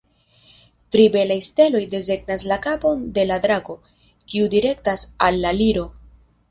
Tri belaj steloj desegnas la kapon de la drako, kiu direktas al la Liro.